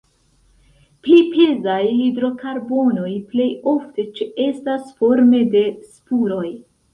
Pli pezaj hidrokarbonoj plej ofte ĉeestas forme de spuroj.